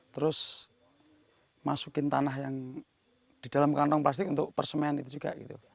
terus masukin tanah yang di dalam kantong plastik untuk persemen itu juga gitu